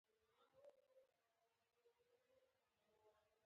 غونډې پای وموند.